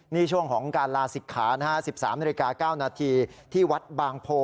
นี่ช่วงของการลาศิกขานะฮะ๑๓นาฬิกา๙นาทีที่วัดบางโพ